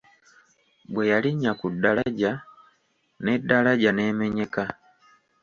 Bwe yalinnya ku daraja N'edaraja n'emenyeka!